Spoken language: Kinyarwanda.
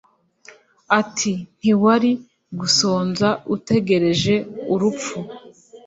Ati “ Ntiwari gusonza utegereje urupfu